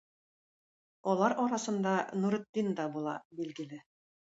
Алар арасында Нуретдин дә була, билгеле.